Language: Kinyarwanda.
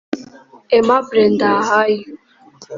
Aimable Ndahayo